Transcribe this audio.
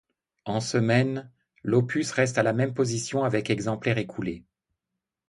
En semaine, l'opus reste à la même position avec exemplaires écoulés.